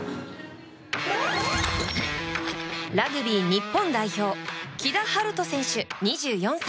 ラグビー日本代表木田晴斗選手、２４歳。